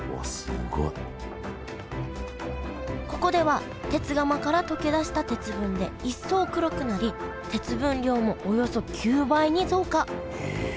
ここでは鉄釜から溶け出した鉄分で一層黒くなり鉄分量もおよそ９倍に増加ええ